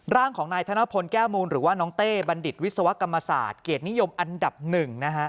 ร่างของนายธนพลแก้วมูลหรือว่าน้องเต้บัณฑิตวิศวกรรมศาสตร์เกียรตินิยมอันดับหนึ่งนะฮะ